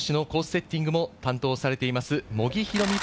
セッティングも担当されています、茂木宏美